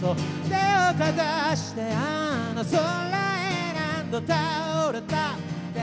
「手をかざしてあの空へ何度倒れたって」